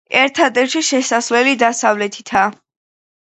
ერთადერთი შესასვლელი დასავლეთითაა.